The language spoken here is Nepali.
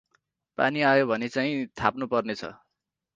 पानी आयो भने चाहिँ थाप्नु पर्ने छ ।